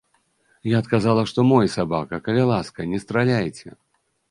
Я адказала, што мой сабака, калі ласка, не страляйце.